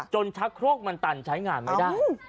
ชักโครกมันตันใช้งานไม่ได้